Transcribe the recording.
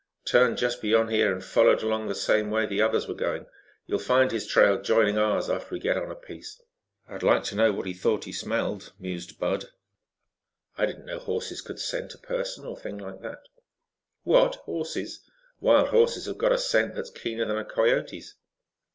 "Turned just beyond here and followed along the same way the others were going. You'll find his trail joining ours after we get on a piece. I'd like to know what he thought he smelled," mused Bud. "I didn't know horses could scent a person or thing like that." "What, horses? Wild horses have got a scent that's keener than a coyote's."